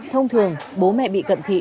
thông thường bố mẹ bị cận thị